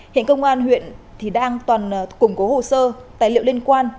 hiện công an huyện thì đang toàn củng cố hồ sơ tài liệu liên quan